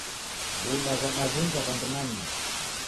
W'uda ghwadaw'unja w'andu nanyuma